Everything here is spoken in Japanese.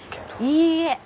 いいえ！